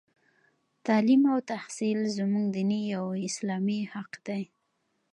تـعلـيم او تحـصيل زمـوږ دينـي او اسـلامي حـق دى.